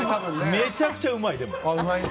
めちゃくちゃうまい、でも。